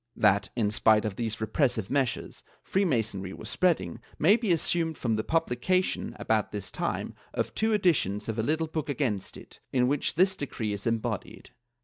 That, in spite of these repressive measures, Free Masonry was spreading, may be assumed from the publication, about this time, of two editions of a little book against it, in which this decree is embodied.'